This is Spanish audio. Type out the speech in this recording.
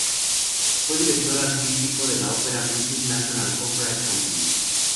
Fue director artístico de la "British National Opera Company".